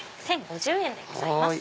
１０５０円でございます。